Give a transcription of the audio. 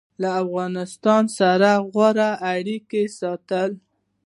له افغانستان سره غوره اړیکې ساتلي